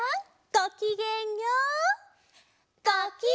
ごきげんよう！